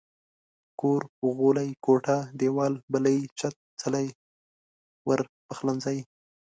کور ، غولی، کوټه، ديوال، بلۍ، چت، څلی، ور، پخلنځي